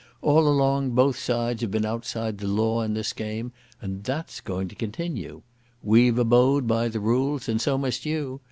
All along both sides have been outside the law in this game, and that's going to continue. We've abode by the rules and so must you....